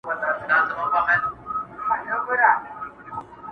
خو بيا هم پوښتني بې ځوابه پاتې کيږي تل.